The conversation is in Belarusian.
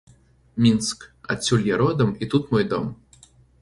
Мінск, адсюль я родам і тут мой дом!